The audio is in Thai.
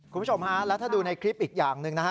คุณผู้ชมฮะแล้วถ้าดูในคลิปอีกอย่างหนึ่งนะฮะ